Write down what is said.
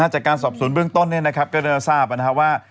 จากการสอบศูนย์เบื้องต้นก็จะทราบว่า